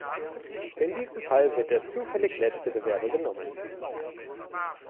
In diesem Fall wird der zufällig letzte Bewerber genommen.